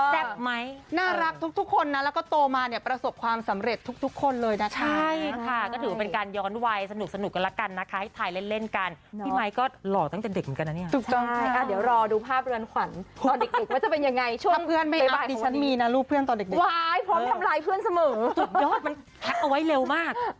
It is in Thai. แซ่บไหมน่ารักทุกคนนะแล้วก็โตมาเนี่ยประสบความสำเร็จทุกคนเลยนะใช่ค่ะก็ถือเป็นการย้อนไวน์สนุกกันละกันนะคะให้ถ่ายเล่นกันพี่ไมค์ก็หล่อตั้งแต่เด็กเหมือนกันนะเนี่ยถูกต้องอ่ะเดี๋ยวรอดูภาพเรือนขวัญตอนเด็กมันจะเป็นยังไงช่วงเบบายของพี่ถ้าเพื่อนไม่ฮับดิฉ